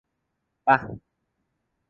ป่ะ?